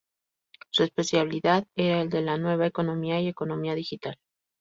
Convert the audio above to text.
Su especialidad era el de la Nueva Economía y Economía digital.